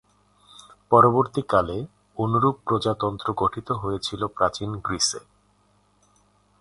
পরবর্তীকালে অনুরূপ প্রজাতন্ত্র গঠিত হয়েছিল প্রাচীন গ্রিসে।